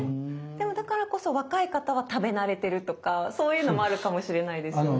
でもだからこそ若い方は食べ慣れてるとかそういうのもあるかもしれないですよね。